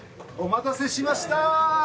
お待たせしました！